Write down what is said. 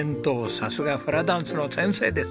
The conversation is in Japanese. さすがフラダンスの先生です。